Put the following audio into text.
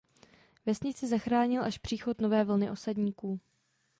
Vesnici zachránil až příchod nové vlny osadníků.